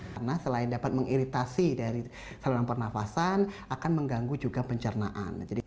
karena selain dapat mengiritasi dari saluran pernafasan akan mengganggu juga pencernaan